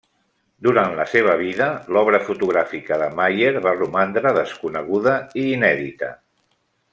Durant la seva vida, l'obra fotogràfica de Maier va romandre desconeguda i inèdita.